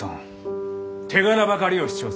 手柄ばかりを主張する。